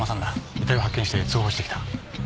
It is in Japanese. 遺体を発見して通報してきた。